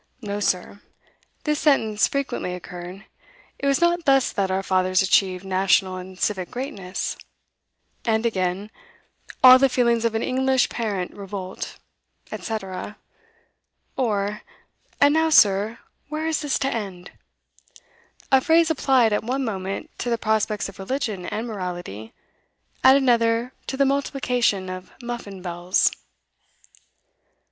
'No, sir,' this sentence frequently occurred, 'it was not thus that our fathers achieved national and civic greatness.' And again: 'All the feelings of an English parent revolt,' &c. Or: 'And now, sir, where is this to end?' a phrase applied at one moment to the prospects of religion and morality, at another to the multiplication of muffin bells.